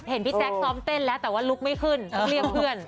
เห็นพี่แจ๊คซ้อมเต้นแล้วแต่ว่าลุกไม่ขึ้นต้องเรียกเพื่อน